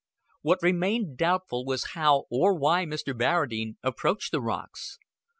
What remained doubtful was how or why Mr. Barradine approached the rocks.